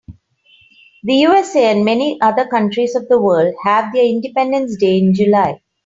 The USA and many other countries of the world have their independence day in July.